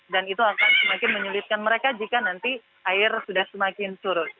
dan itu akan semakin menyulitkan mereka jika nanti air sudah semakin surut